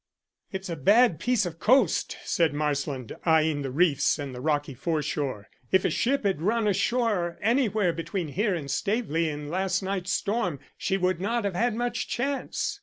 "It's a bad piece of coast," said Marsland, eyeing the reefs and the rocky foreshore. "If a ship had run ashore anywhere between here and Staveley in last night's storm she would not have had much chance."